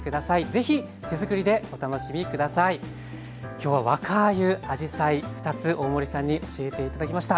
今日は若あゆあじさい２つ大森さんに教えて頂きました。